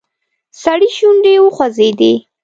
سړي شونډې وخوځېدې.